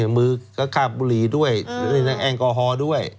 มือก็ฆ่าบุหรี่ด้วยแองกอฮอล์ด้วย